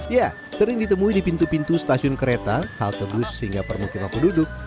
ya sering ditemui di pintu pintu stasiun kereta halte bus hingga permukiman penduduk